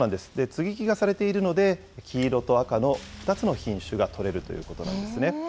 接ぎ木がされているので、黄色と赤の２つの品種が取れるということなんですね。